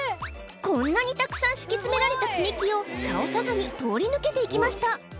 こんなにたくさん敷きつめられた積み木を倒さずに通り抜けていきました